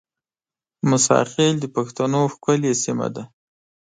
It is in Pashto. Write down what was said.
موساخېل د بښتنو ښکلې سیمه ده